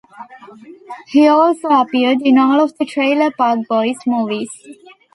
He also appeared in all of the "Trailer Park Boys" movies.